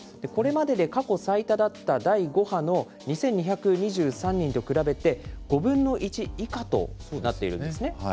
これまでで過去最多だった第５波の２２２３人と比べて、５分の１以下となっているんですね。